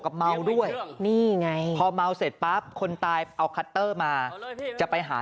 เมาด้วยนี่ไงพอเมาเสร็จปั๊บคนตายเอาคัตเตอร์มาจะไปหา